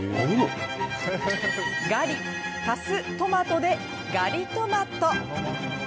ガリ＋トマトで、ガリトマト。